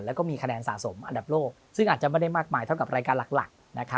แล้วก็มีคะแนนสะสมอันดับโลกซึ่งอาจจะไม่ได้มากมายเท่ากับรายการหลัก